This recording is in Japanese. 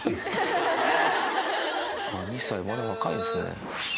２歳まだ若いんですね。